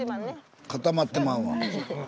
固まってまうわ。